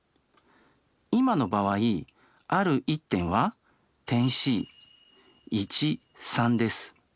今の場合ある１点は点Ｃです。